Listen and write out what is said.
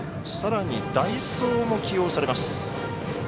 さらに、代走も起用されます。